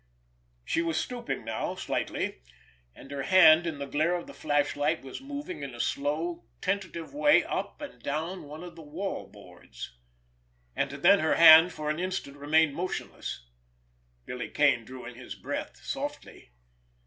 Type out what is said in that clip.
She was stooping now slightly, and her hand in the glare of the flashlight was moving in a slow, tentative way up and down one of the wall boards—and then her hand for an instant remained motionless. Billy Kane drew in his breath softly.